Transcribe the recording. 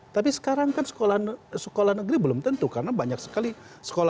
tapi sekarang kan sekolah negeri belum tentu karena banyak sekali sekolah sekolah yang berbeda